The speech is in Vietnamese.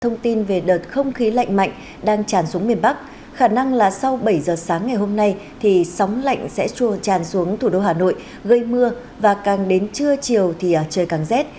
thông tin về đợt không khí lạnh mạnh đang tràn xuống miền bắc khả năng là sau bảy giờ sáng ngày hôm nay thì sóng lạnh sẽ tràn xuống thủ đô hà nội gây mưa và càng đến trưa chiều thì trời càng rét